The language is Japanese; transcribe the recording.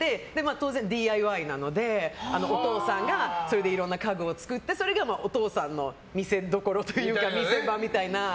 当然、ＤＩＹなのでお父さんがそれでいろんな家具を作ってそれがお父さんの見せ場みたいな。